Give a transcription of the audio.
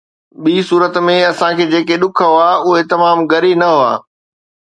ٻي صورت ۾، اسان کي جيڪي ڏک هئا، اهي تمام ڳري نه هئا